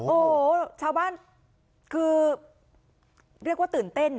โอ้โหชาวบ้านคือเรียกว่าตื่นเต้น